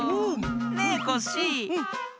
ねえコッシーあれ？